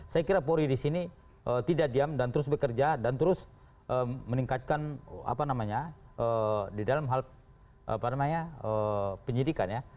saya kira polri disini tidak diam dan terus bekerja dan terus meningkatkan apa namanya di dalam hal penyidikan ya